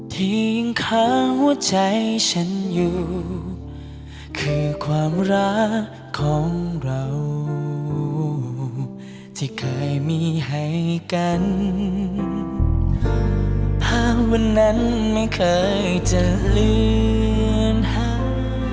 ที่เคยมีให้กันภาพวันนั้นไม่เคยจะเลื่อนหาย